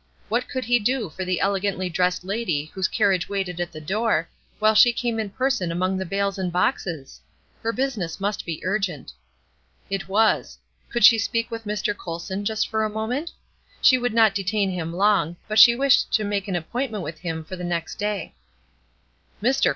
What could he do for the elegantly dressed lady whose carriage waited at the door, while she came in person among the bales and boxes? Her business must be urgent. It was. Could she speak with Mr. Colson just for a moment? She would not detain him long; but she wished to make an appointment with him for the next day. "Mr.